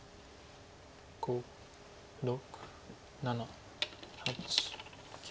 ５６７８９。